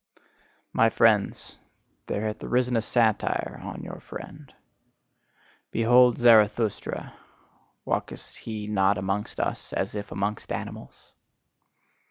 My friends, there hath arisen a satire on your friend: "Behold Zarathustra! Walketh he not amongst us as if amongst animals?"